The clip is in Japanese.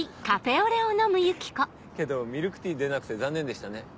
けどミルクティー出なくて残念でしたね。